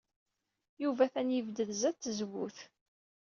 Yuba atan yebded sdat tzewwut.